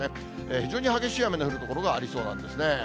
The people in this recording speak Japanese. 非常に激しい雨の降る所がありそうなんですね。